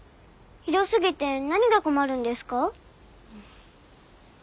広すぎて何が困るんですか？